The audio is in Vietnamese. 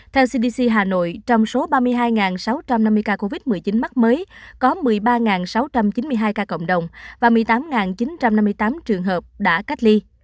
theo cdc hà nội trong số ba mươi hai sáu trăm năm mươi ca covid một mươi chín mắc mới có một mươi ba sáu trăm chín mươi hai ca cộng đồng và một mươi tám chín trăm năm mươi tám trường hợp đã cách ly